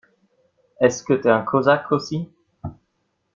Est-ce que t'es un Cosaque aussi?